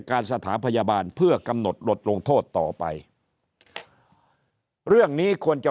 สถานพยาบาลเพื่อกำหนดลดลงโทษต่อไปเรื่องนี้ควรจะ